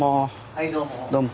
はいどうも。